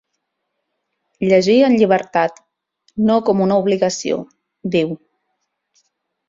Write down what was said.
Llegir en llibertat; no com una obligació, diu.